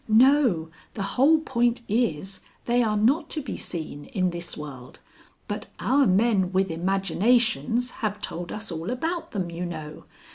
"No, the whole point is they are not to be seen in this world. But our men with imaginations have told us all about them, you know.